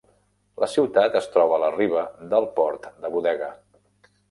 La ciutat es troba a la riba del port de Bodega.